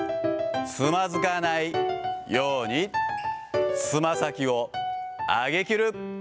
つまずかないように、つま先を上げ切る。